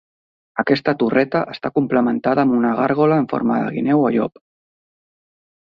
Aquesta torreta està complementada amb una gàrgola en forma de guineu o llop.